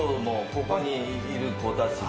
ここにいる子たち。